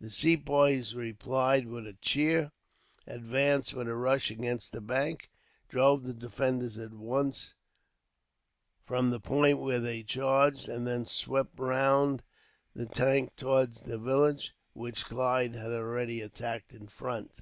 The Sepoys replied with a cheer, advanced with a rush against the bank, drove the defenders at once from the point where they charged, and then swept round the tank towards the village, which Clive had already attacked in front.